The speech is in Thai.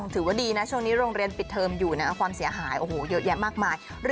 ถือว่าดีนะช่วงนี้โรงเรียนปิดเทอมอยู่ความเสียหายโอ้โหเยอะแยะมากมาย